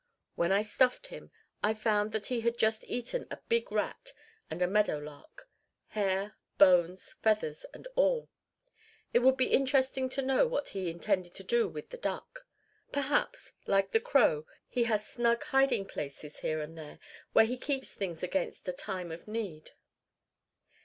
When I stuffed him, I found that he had just eaten a big rat and a meadow lark, hair, bones, feathers and all. It would be interesting to know what he intended to do with the duck. Perhaps, like the crow, he has snug hiding places here and there, where he keeps things against a time of need.